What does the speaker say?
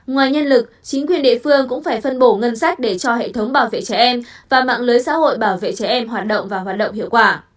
ngoài nhân lực chính quyền địa phương cũng phải phân bổ ngân sách để cho hệ thống bảo vệ trẻ em và mạng lưới xã hội bảo vệ trẻ em hoạt động và hoạt động hiệu quả